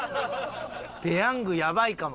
ペヤングやばいかも。